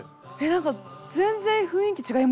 何か全然雰囲気違いますね。